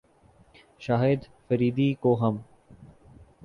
شاہد فریدی کو ہم